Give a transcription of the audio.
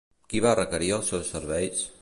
Qui va requerir els seus serveis?